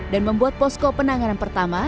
membuat posko penanganan pertama